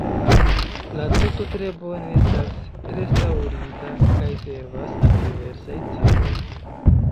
La tuto tre bone estas restaŭrita kaj servas al diversaj celoj.